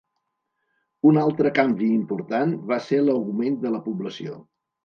Un altre canvi important va ser l'augment de la població.